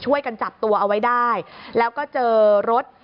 ช่วยกันจับตัวเอาไว้ได้แล้วก็เจอรถ